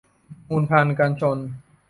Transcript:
มูลภัณฑ์กันชน